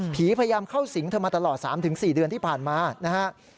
พยายามเข้าสิงเธอมาตลอด๓๔เดือนที่ผ่านมานะฮะ